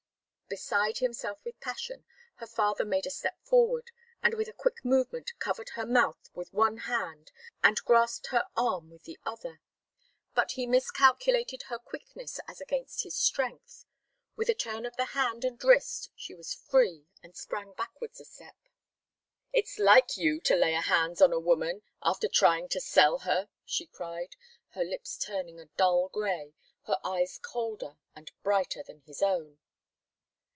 Beside himself with passion, her father made a step forward, and with a quick movement covered her mouth with one hand and grasped her arm with the other. But he miscalculated her quickness as against his strength. With a turn of the hand and wrist she was free and sprang backwards a step. "It's like you to lay your hands on a woman, after trying to sell her!" she cried, her lips turning a dull grey, her eyes colder and brighter than his own.